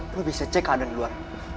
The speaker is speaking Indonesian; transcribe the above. lo bisa cek ada di luar